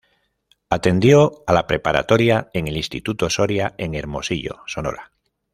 Atendió a la preparatoria en el Instituto Soria en Hermosillo, Sonora.